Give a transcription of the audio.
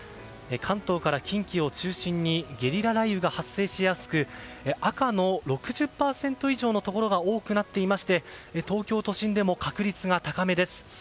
関東から近畿を中心にゲリラ雷雨が発生しやすく赤の６０％以上のところが多くなっていまして東京都心でも確率が高めです。